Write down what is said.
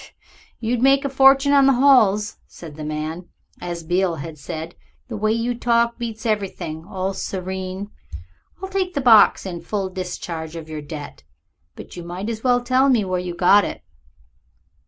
"You'd make your fortune on the halls," said the man, as Beale had said; "the way you talk beats everything. All serene. I'll take the box in full discharge of your debt. But you might as well tell me where you got it."